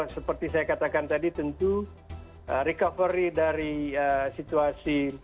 seperti saya katakan tadi tentu recovery dari situasi